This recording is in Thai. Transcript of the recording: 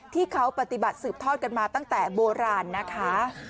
ที่เขาปฏิบัติสืบทอดกันมาตั้งแต่โบราณนะคะ